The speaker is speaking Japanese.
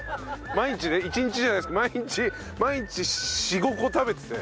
毎日ね１日じゃないですけど毎日毎日４５個食べてて。